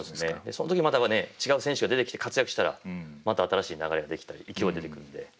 その時また違う選手が出てきて活躍したらまた新しい流れが出来たり勢いが出てくるので。